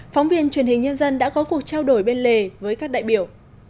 phóng viên truyền hình nhân dân đã có cuộc trao đổi bên lề với các đại biểu